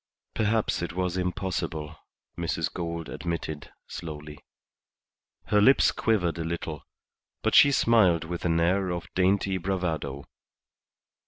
"Perhaps it was impossible," Mrs. Gould admitted, slowly. Her lips quivered a little, but she smiled with an air of dainty bravado.